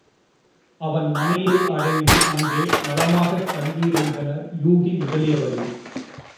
அவன் மனையை அடைந்து அங்கே நலமாகத் தங்கியிருந்தனர் யூகி முதலியவர்கள்.